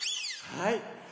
はい。